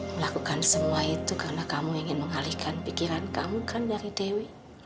melakukan semua itu karena kamu ingin mengalihkan pikiran kamu kan dari dewi